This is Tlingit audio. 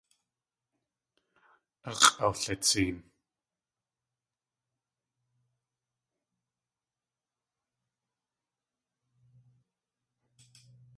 Ax̲ʼawlitseen.